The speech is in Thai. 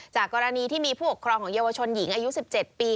กรณีที่มีผู้ปกครองของเยาวชนหญิงอายุ๑๗ปี